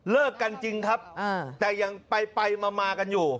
เลิกกันจริงครับแต่ยังไปมากันอยู่